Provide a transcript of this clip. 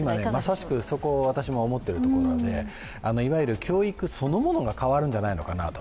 まさしくそこを私は思っているところで、教育そのものが変わるんじゃないのかなと。